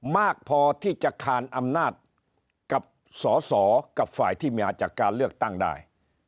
มากพอที่จะคานอำนาจกับสอสอกับฝ่ายที่มาจากการเลือกตั้งได้